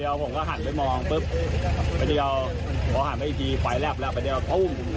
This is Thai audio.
เดี๋ยวผมก็หันไปมองปุ๊บไปเดี๋ยวพอหันไปอีกทีไฟลับแล้วไปเดี๋ยวโอ้มแล้วปึ้งชนเลย